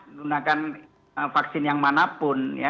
menggunakan vaksin yang manapun ya